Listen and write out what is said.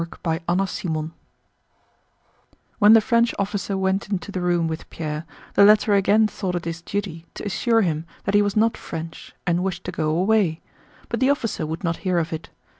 CHAPTER XXIX When the French officer went into the room with Pierre the latter again thought it his duty to assure him that he was not French and wished to go away, but the officer would not hear of it.